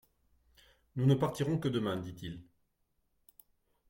Nous ne partirons que demain, » dit-il.